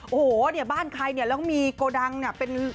โอ้โหเนี่ยบ้านใครเนี่ยแล้วมีโกดังเนี่ยเป็น